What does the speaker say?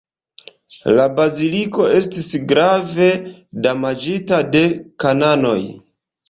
La baziliko estis grave damaĝita de kanonoj.